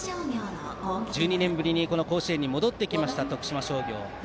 １２年ぶりに甲子園に戻ってきました徳島商業。